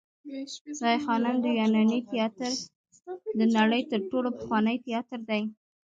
د آی خانم د یوناني تیاتر د نړۍ تر ټولو پخوانی تیاتر دی